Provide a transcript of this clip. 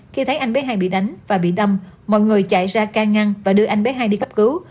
khi thấy anh bé hai bị đánh và bị đâm mọi người chạy ra can ngăn và đưa anh bé hai đi cấp cứu